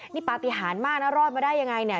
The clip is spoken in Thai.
นี่ปฏิหารมากนะรอดมาได้ยังไงเนี่ย